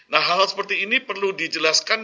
nah hal hal seperti ini perlu dijelaskan